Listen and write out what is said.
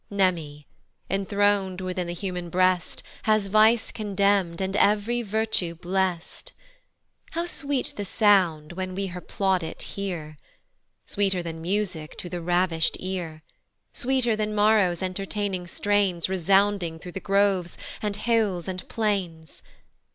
Mneme, enthron'd within the human breast, Has vice condemn'd, and ev'ry virtue blest. How sweet the sound when we her plaudit hear? Sweeter than music to the ravish'd ear, Sweeter than Maro's entertaining strains Resounding through the groves, and hills, and plains.